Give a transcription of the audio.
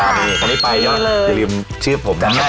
คันนี้ไปอย่าลืมชื่อผมจำหน้าได้